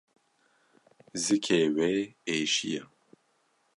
Zikê wê êşiya.